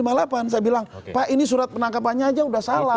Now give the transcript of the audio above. saya bilang pak ini surat penangkapannya saja sudah salah